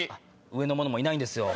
上の者もいないんですよ。